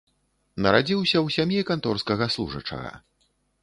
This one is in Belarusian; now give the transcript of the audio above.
Нарадзіўся ў сям'і канторскага служачага.